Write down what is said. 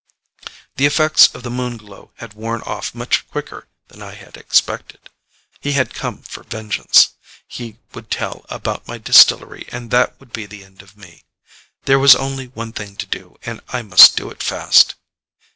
The effects of the Moon Glow had worn off much quicker than I had expected. He had come for vengeance. He would tell about my distillery, and that would be the end of me. There was only one thing to do and I must do it fast.